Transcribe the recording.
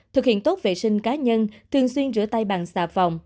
thực hiện tốt vệ sinh cá nhân thường xuyên rửa tay bằng xà phòng